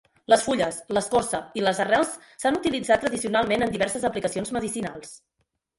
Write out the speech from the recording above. Les fulles, l'escorça i les arrels s'han utilitzat tradicionalment en diverses aplicacions medicinals.